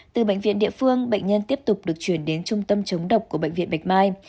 từ bệnh viện địa phương bệnh nhân tiếp tục được chuyển đến trung tâm chống độc của bệnh viện bạch mai